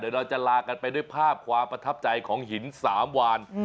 เดี๋ยวเราจะลากันไปด้วยภาพความประทับใจของหินสามวาน